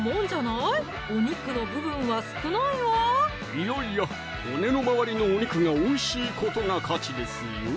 いやいや骨の周りのお肉がおいしいことが価値ですよ